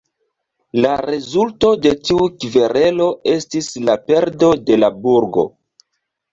La rezulto de tiu kverelo estis la perdon de la burgo.